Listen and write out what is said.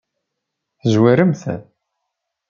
Tezwarem-t?